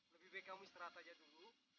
lebih baik kamu istirahat aja dulu